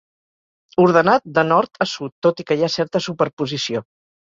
Ordenat de nord a sud, tot i que hi ha certa superposició.